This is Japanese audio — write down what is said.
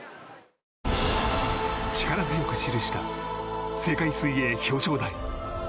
力強く記した世界水泳表彰台。